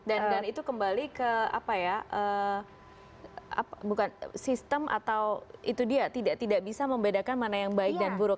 dan itu kembali ke apa ya bukan sistem atau itu dia tidak bisa membedakan mana yang baik dan buruk